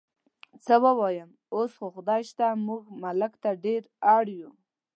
څه ووایم، اوس خو خدای شته موږ ملک ته ډېر اړ یو.